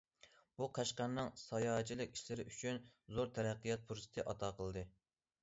بۇ قەشقەرنىڭ ساياھەتچىلىك ئىشلىرى ئۈچۈن زور تەرەققىيات پۇرسىتى ئاتا قىلدى.